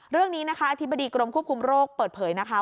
เรื่องนี้นะคะอธิบดีกรมควบคุมโรคเปิดเผยนะคะ